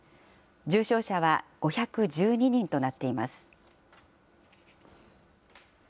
重症者は５１２人となっています。